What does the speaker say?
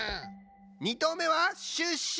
２とうめはシュッシュ！